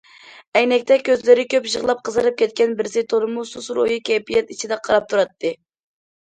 ئەينەكتە كۆزلىرى كۆپ يىغلاپ قىزىرىپ كەتكەن بىرسى تولىمۇ سۇس روھىي كەيپىيات ئىچىدە قاراپ تۇراتتى.